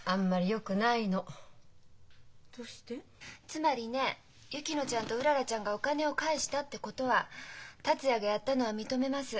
つまりね薫乃ちゃんとうららちゃんがお金を返したってことは「達也がやったのは認めます。